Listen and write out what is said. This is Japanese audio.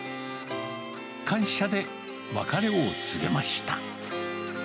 感謝で別れを告げました。